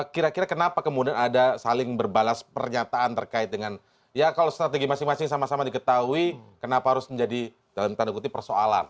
kira kira kenapa kemudian ada saling berbalas pernyataan terkait dengan ya kalau strategi masing masing sama sama diketahui kenapa harus menjadi dalam tanda kutip persoalan